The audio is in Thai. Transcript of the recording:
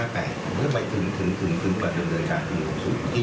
ปี๕๘เมื่อไปถึงกว่าเดิมจากนี้